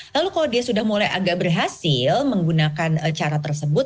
lalu kalau dia sudah mulai agak berhasil menggunakan cara tersebut